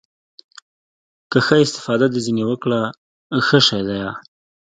که ښه استفاده دې ځنې وکړه ښه شى ديه.